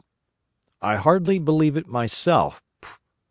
I hardly believe it myself.....